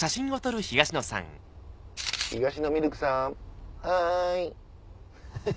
東野ミルクさんはい。